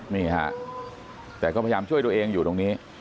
นี่ฮะแต่ก็พยายามช่วยตัวเองอยู่ตรงนี้